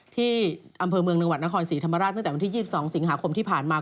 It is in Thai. ที่อำเภอเมืองจังหวัดนครศรีธรรมราชตั้งแต่วันที่๒๒สิงหาคมที่ผ่านมา